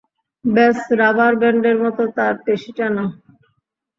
ব্যস রাবার ব্যান্ডের মতো তার পেশি টানো।